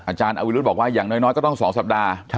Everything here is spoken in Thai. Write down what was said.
อาจารย์อวิรุธบอกว่าอย่างน้อยก็ต้อง๒สัปดาห์